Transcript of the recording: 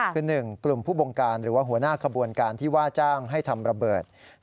คือ๑กลุ่มผู้บงการหรือว่าหัวหน้าขบวนการที่ว่าจ้างให้ทำระเบิด